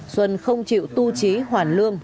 xuân không chịu tu trí hoàn lương